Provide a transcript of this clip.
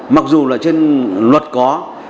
mặc dù là trên luật có